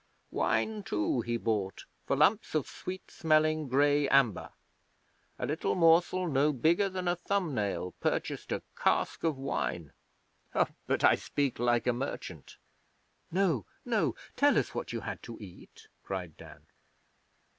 Wine, too, he bought for lumps of sweet smelling grey amber a little morsel no bigger than a thumbnail purchased a cask of wine. But I speak like a merchant.' 'No, no! Tell us what you had to eat,' cried Dan.